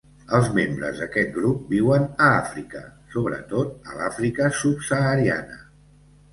Els membres d'aquest grup viuen a Àfrica, sobretot a l'Àfrica subsahariana.